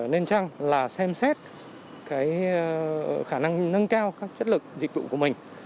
nên chăng là xem xét cái khả năng nâng cao các chất lực dịch vụ của mình